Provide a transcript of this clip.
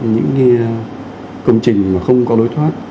những công trình mà không có lối thoát